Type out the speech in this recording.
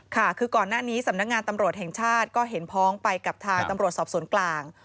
ค่ะคือก่อนหน้านี้สำนักงานตำรวจแห่งชาติก็เห็นพ้องไปกับทางตำรวจสอบสวนกลาง